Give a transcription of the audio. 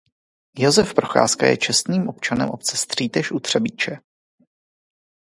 Josef Procházka je čestným občanem obce Střítež u Třebíče.